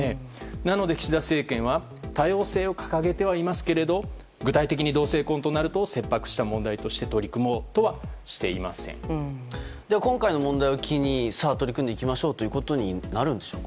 なので、岸田政権は多様性を掲げてはいますが同性婚となると切迫とした問題として今回の問題を機に取り組んでいきましょうとなるんでしょうか。